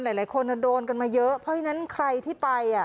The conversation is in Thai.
หลายคนโดนกันมาเยอะเพราะฉะนั้นใครที่ไป